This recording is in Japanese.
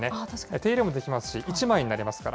手入れもできますし、１枚になりますから。